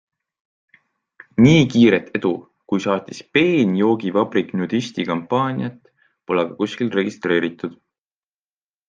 Nii kiiret edu, kui saatis Peenjoogivabrik Nudisti kampaaniat, pole aga kuskil registreeritud.